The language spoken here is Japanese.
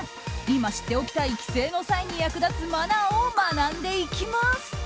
今知っておきたい帰省の際に役立つマナーを学んでいきます。